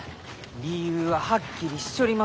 理由ははっきりしちょります